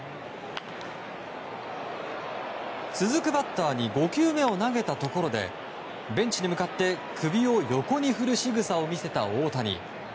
続くバッターに５球目を投げたところでベンチに向かって、首を横に振るしぐさを見せた大谷。